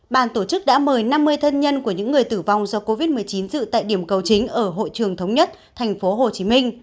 bàn tổ chức đã mời năm mươi thân nhân của những người tử vong do covid một mươi chín dự tại điểm cầu chính ở hội trường thống nhất tp hcm